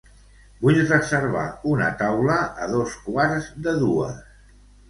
Vull reservar una taula a dos quarts de dues.